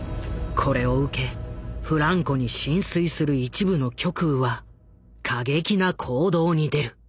これを受けフランコに心酔する一部の極右は過激な行動に出る。